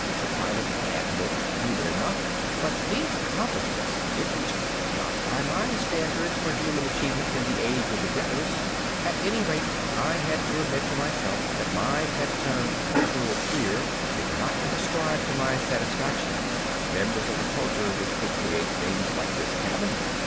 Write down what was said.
The Pilot had looked human enough, but these accomplishments didn't not by my standards for human achievement in the Age of the Deaders. At any rate I had to admit to myself that my pet term "cultural queer" did not describe to my own satisfaction members of a culture which could create things like this cabin.